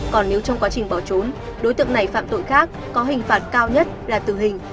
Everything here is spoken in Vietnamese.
còn nếu trong quá trình bỏ trốn đối tượng này phạm tội khác có hình phạt cao nhất là tử hình